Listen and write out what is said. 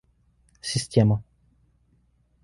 Система